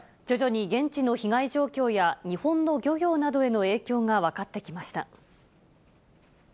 徐々に現地の被害状況や日本の漁業などへの影響が分かってきました。